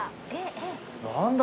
何だ？